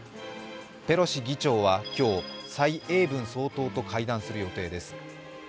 ペロシ議長は今日、蔡英文総統と会談する予定です。